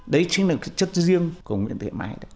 đấy chính là cái chất riêng của nguyễn thị mai đó